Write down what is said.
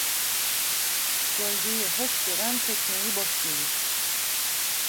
Gölgeyi hoş gören tekneyi boş görür.